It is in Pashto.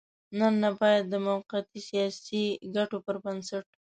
نن نه بايد د موقتي سياسي ګټو پر بنسټ.